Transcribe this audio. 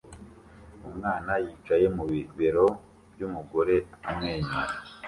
Umwana yicaye mu bibero by'umugore amwenyura